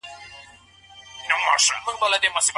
الله تعالی د انفاق په اړه څه امر کړی دی؟